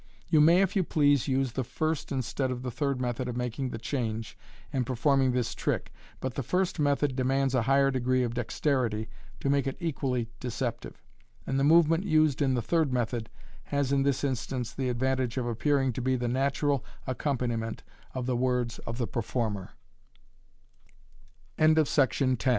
You may, if you please, use the first instead of the third method of making the "change" in performing this trick, but the first method demands a higher degree of dexterity to make it equally deceptive 5 and the movement used in the third method has in this instance the advantage of appearing to be the natural accompani